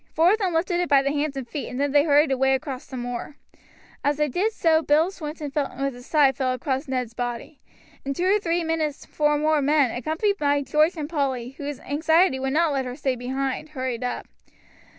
Four of them lifted it by the hands and feet, and then they hurried away across the moor. As they did so Bill Swinton with a sigh fell across Ned's body. In two or three minutes four more men, accompanied by George and Polly, whose anxiety would not let her stay behind, hurried up.